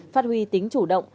phát huy tính chủ động